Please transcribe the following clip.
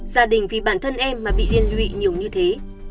gia đình vì bản thân em mà bị liên nhuy nhiều như thế